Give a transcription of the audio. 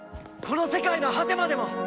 この世界の果てまでも！